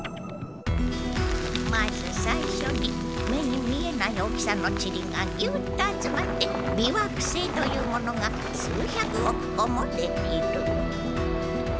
まず最初に目に見えない大きさのチリがギュッと集まって微惑星というものが数百億個もできる。